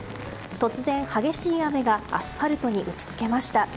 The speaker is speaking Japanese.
突然、激しい雨がアスファルトに打ち付けました。